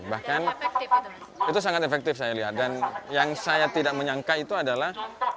bahkan itu sangat efektif saya lihat dan yang saya tidak menyangka itu adalah